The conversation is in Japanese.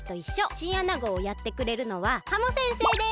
チンアナゴをやってくれるのはハモ先生です。